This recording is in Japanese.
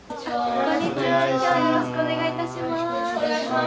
よろしくお願いします。